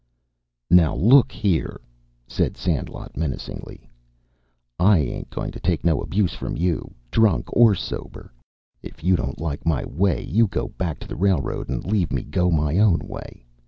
"Now, look here!" said Sandlot menacingly. "I ain't goin' to take no abuse from you, drunk or sober. If you don't like my way, you go back to the railroad and leave me go my own way.